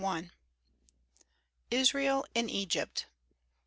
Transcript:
JOSEPH. ISRAEL IN EGYPT.